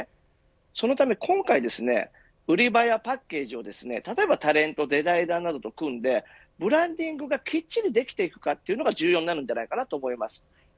そのため今回売り場やパッケージをタレントやデザイナーなどと組んでブランディングがきっちりできていくかというのも重要になります。